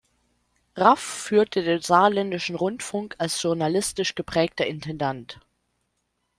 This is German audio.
Raff führte den Saarländischen Rundfunk als journalistisch geprägter Intendant.